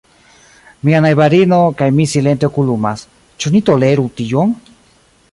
Mia najbarino kaj mi silente okulumas: ĉu ni toleru tion?